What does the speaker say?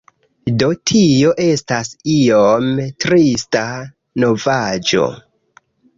Do tio estas iom trista novaĵo